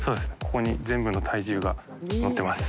ここに全部の体重がのってます。